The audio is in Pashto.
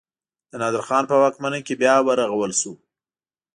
د نادر خان په واکمنۍ کې بیا ورغول شو.